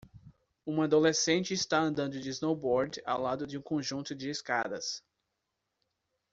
Um adolescente está andando de snowboard ao lado de um conjunto de escadas.